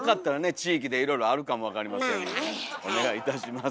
地域でいろいろあるかも分かりませんのでお願いいたします。